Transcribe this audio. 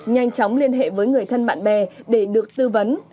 nhanh chóng liên hệ với người thân bạn bè để được tư vấn